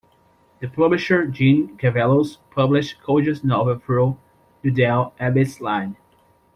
The publisher Jeanne Cavelos published Koja's novel through the Dell Abyss line.